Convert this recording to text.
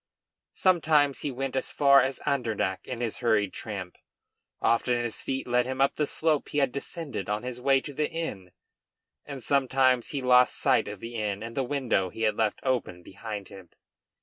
Sometimes he went as far as Andernach in his hurried tramp; often his feet led him up the slope he had descended on his way to the inn; and sometimes he lost sight of the inn and the window he had left open behind him.